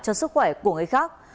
cho sức khỏe của người khác